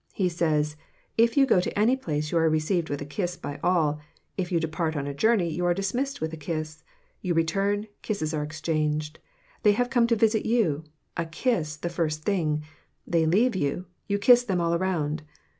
He says "if you go to any place you are received with a kiss by all; if you depart on a journey you are dismissed with a kiss; you return, kisses are exchanged; they have come to visit you—a kiss the first thing; they leave you—you kiss them all round.